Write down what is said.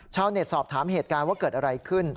เน็ตสอบถามเหตุการณ์ว่าเกิดอะไรขึ้น